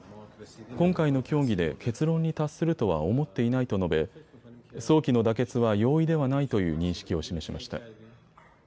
今回の協議で結論に達するとは思っていないと述べ早期の妥結は容易ではないという認識を示しました。